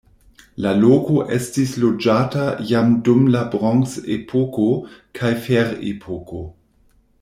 La loko estis loĝata jam dum la bronzepoko kaj ferepoko.